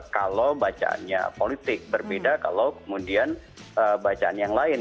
kalau bacaannya politik berbeda kalau kemudian bacaan yang lain